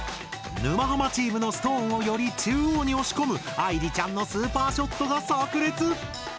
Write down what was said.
沼ハマチームのストーンをより中央に押し込む愛莉ちゃんのスーパーショットが炸裂！